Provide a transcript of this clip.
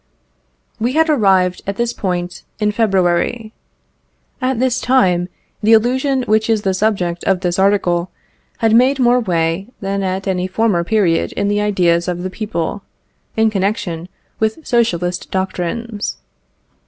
We had arrived at this point in February. At this time, the illusion which is the subject of this article had made more way than at any former period in the ideas of the people, in connexion with Socialist doctrines.